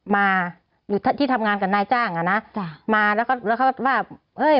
มาอยู่ที่ทำงานกับนายจ้างอ่ะนะจ้ะมาแล้วก็แล้วเขาว่าเอ้ย